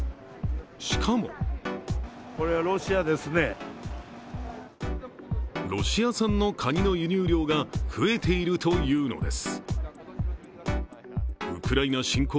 しかもロシア産のカニの輸入量が増えているというのです。